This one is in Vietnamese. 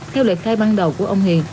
theo lệ thai ban đầu của ông hiền